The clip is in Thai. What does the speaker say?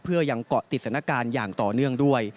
เพื่อยังเกาะติดสถานการณ์อย่างต่อเนื่องด้วย